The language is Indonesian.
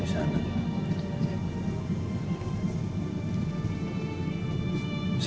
iya baik baik saja